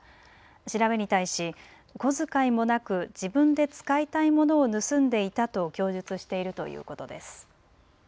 調べに対し小遣いもなく自分で使いたいものを盗んでいたと供述しているということです。